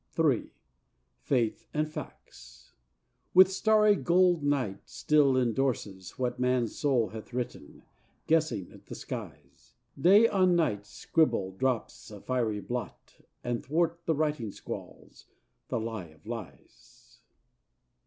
III Faith and Facts With starry gold Night still endorses what Man's soul hath written, guessing at the skies: Day on Night's scribble drops a fiery blot, And 'thwart the writing scrawls, "The lie of lies."